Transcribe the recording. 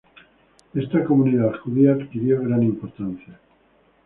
Esta comunidad judía adquirió gran importancia.